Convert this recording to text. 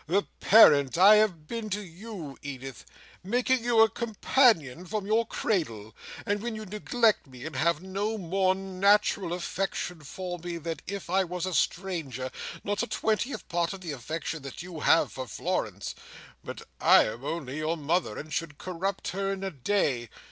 "The parent I have been to you, Edith: making you a companion from your cradle! And when you neglect me, and have no more natural affection for me than if I was a stranger—not a twentieth part of the affection that you have for Florence—but I am only your mother, and should corrupt her in a day!